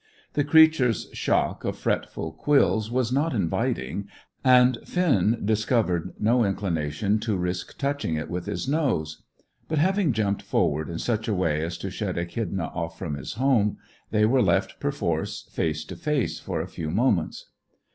The creature's shock of fretful quills was not inviting, and Finn discovered no inclination to risk touching it with his nose; but, having jumped forward in such a way as to shut Echidna off from his home, they were left perforce face to face for a few moments.